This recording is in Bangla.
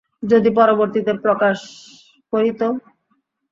যদি পরবর্তীতে প্রকাশ করি তো?